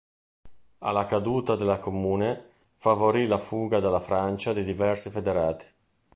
Alla caduta della Comune, favorì la fuga dalla Francia di diversi federati.